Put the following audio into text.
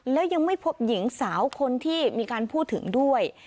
แล้วยังไม่พบหญิงสาวคนที่มีการพูดถึงด้วย